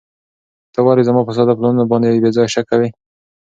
ته ولې زما په ساده پلانونو باندې بې ځایه شک کوې؟